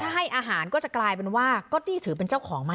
ถ้าให้อาหารก็จะกลายเป็นว่าก๊อตตี้ถือเป็นเจ้าของไหม